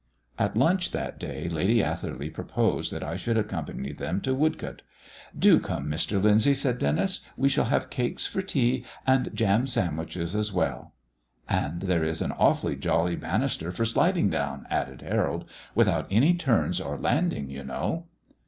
At lunch that day Lady Atherley proposed that I should accompany them to Woodcote. "Do come, Mr. Lyndsay," said Denis. "We shall have cakes for tea, and jam sandwiches as well." "And there is an awfully jolly banister for sliding down," added Harold, "without any turns or landing, you know."